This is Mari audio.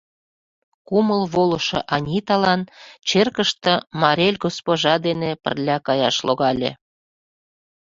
Кумыл волышо Аниталан черкышке Марель госпожа дене пырля каяш логале.